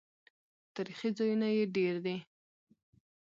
تاریخي ځایونه یې ډیر دي.